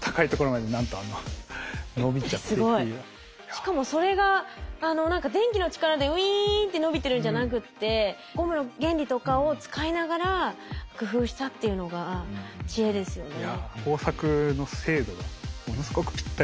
しかもそれが電気の力でウイーンって伸びてるんじゃなくってゴムの原理とかを使いながら工夫したっていうのが知恵ですよね。